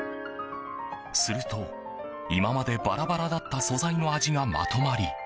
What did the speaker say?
すると、今までバラバラだった素材の味がまとまり